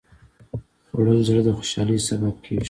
خوړل د زړه خوشالي سبب کېږي